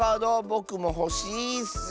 ぼくもほしいッス。